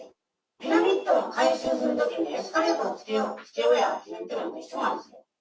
ピラミッドを改修するときにエスカレーターをつけようやっていってるのと一緒なんですよ。